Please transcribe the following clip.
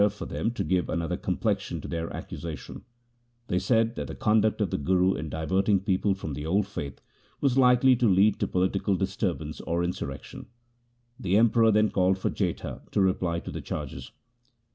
It was reserved for them to give another complexion to their accusation. They said that the conduct of the Guru in diverting people from the old faith was likely to lead to politi cal disturbance or insurrection. The Emperor then called for Jetha to reply to the charges.